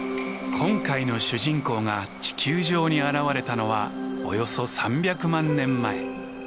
今回の主人公が地球上に現れたのはおよそ３００万年前。